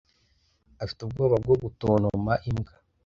Afite ubwoba bwo gutontoma imbwa.